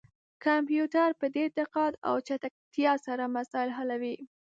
کمپيوټر په ډير دقت او چټکتيا سره مسايل حلوي